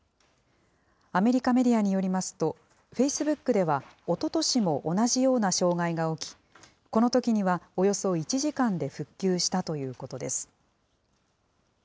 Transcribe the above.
アメリカメディアによりますと、フェイスブックではおととしも同じような障害が起き、このときにはおよそ１時間で復旧したということです。